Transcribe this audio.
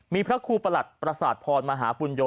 มีพระครูประหลัดประสาทพรมหาปุญโย